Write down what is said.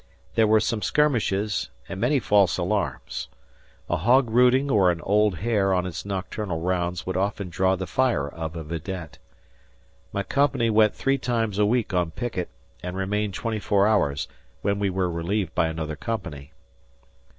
There were some skirmishes and many false alarms. A hog rooting or an old hare on its nocturnal rounds would often draw the fire of a vidette. My company went three times a week on picket and remained twenty four hours, when we were relieved by another company.